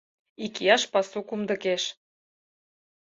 Икияш пасу кумдыкеш